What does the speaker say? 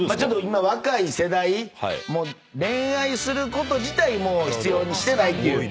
今若い世代恋愛すること自体もう必要としてないっていう。